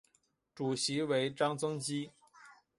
主席为张曾基。